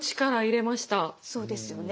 そうですよね。